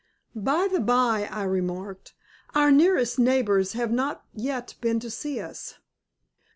"By the by," I remarked, "our nearest neighbors have not yet been to see us?"